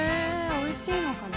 美味しいのかな？